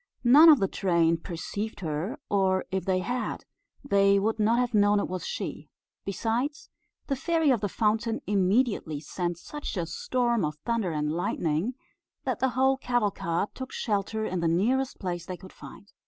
None of the train perceived her, or if they had, they would not have known it was she; besides, the Fairy of the Fountain immediately sent such a storm of thunder and lightning that the whole cavalcade took shelter in the nearest place they could find.